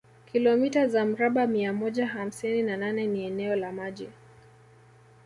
Kilomita za mraba mia moja hamsini na nane ni eneo la maji